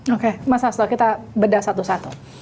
oke mas hasto kita bedah satu satu